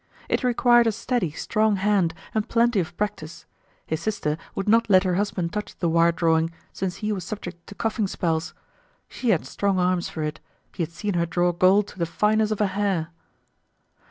It required a steady, strong hand, and plenty of practice. His sister would not let her husband touch the wire drawing since he was subject to coughing spells. She had strong arms for it; he had seen her draw gold to the fineness of a hair.